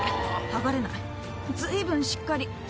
剥がれない随分しっかり。